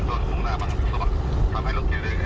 พลักษณะอยู่ที่นี่ก็จะคุณผู้ชมไว้